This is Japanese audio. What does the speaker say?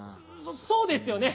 そうですよね！